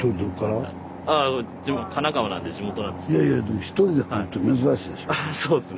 いやいやでも１人で来るって珍しいでしょ。